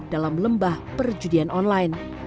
dalam lembah perjudian online